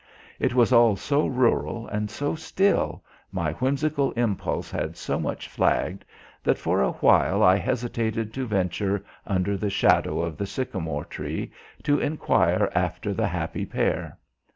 It was all so rural and so still, my whimsical impulse had so much flagged, that for a while I hesitated to venture under the shadow of the sycamore tree to enquire after the happy pair.